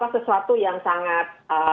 sesuatu yang sangat